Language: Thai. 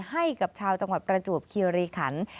ให้กับชาวจังหวัดประจวบคิริขัน